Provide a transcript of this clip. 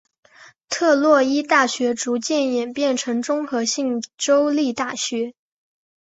特洛伊大学逐渐演变成综合性的州立大学。